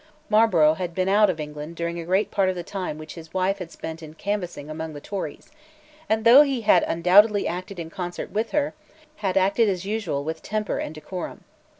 Marlborough had been out of England during a great part of the time which his wife had spent in canvassing among the Tories, and, though he had undoubtedly acted in concert with her, had acted, as usual, with temper and decorum.